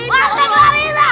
masa berantem lagi